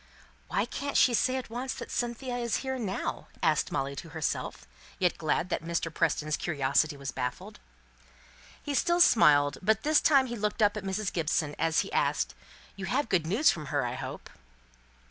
"Why can't she say at once that Cynthia is here now?" asked Molly of herself, yet glad that Mr. Preston's curiosity was baffled. He still smiled; but this time he looked up at Mrs. Gibson, as he asked, "You have good news from her, I hope?"